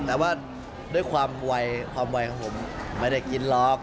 แต่ว่าด้วยความวัยความไวของผมไม่ได้กินหรอก